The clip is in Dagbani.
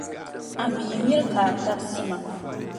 A mi mira ka a tabisi ma.